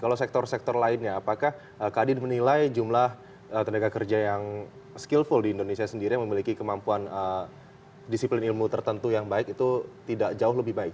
kalau sektor sektor lainnya apakah kadin menilai jumlah tenaga kerja yang skillful di indonesia sendiri yang memiliki kemampuan disiplin ilmu tertentu yang baik itu tidak jauh lebih baik